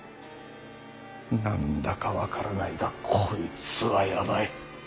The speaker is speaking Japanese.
何だか分からないがこいつはヤバい！